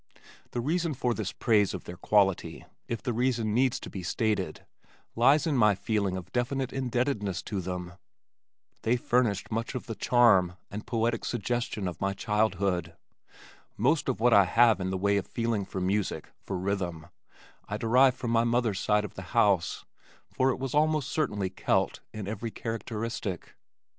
The reason for this praise of their quality, if the reason needs to be stated, lies in my feeling of definite indebtedness to them. They furnished much of the charm and poetic suggestion of my childhood. Most of what I have in the way of feeling for music, for rhythm, I derive from my mother's side of the house, for it was almost entirely Celt in every characteristic.